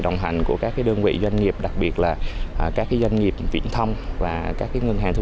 đồng hành của các đơn vị doanh nghiệp đặc biệt là các doanh nghiệp viễn thông và các ngân hàng thương